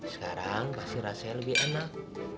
sekarang pasti rasanya lebih enak